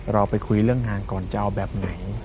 เราไปคุยเรื่องงานก่อนจะเอาแบบไหน